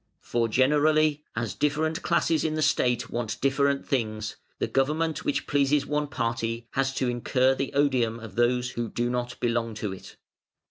For generally, as different classes in the State want different things, the government which pleases one party has to incur the odium of those who do not belong to it.